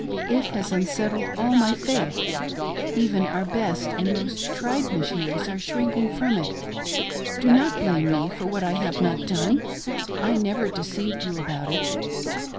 It has unsettled all my faith ; even our best and most tried Missionaries are shrinking from it. Do not blame me for what I have not done. I never deceived you about it."